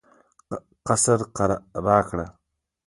قصر راکړ.